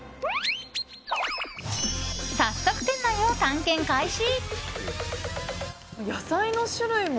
早速、店内を探検開始。